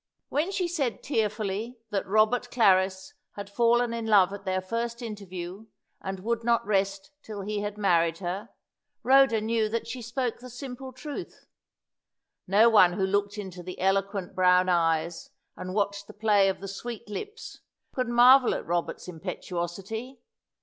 When she said, tearfully, that Robert Clarris had fallen in love at their first interview, and would not rest till he had married her, Rhoda knew that she spoke the simple truth. No one who looked into the eloquent brown eyes, and watched the play of the sweet lips, could marvel at Robert's impetuosity.